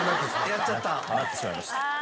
なってしまいました。